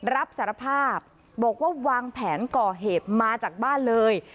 รับสารภาพบอกว่าวางแผนก่อเหตุมาจากบ้านเลย